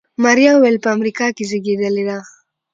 ماريا وويل په امريکا کې زېږېدلې ده.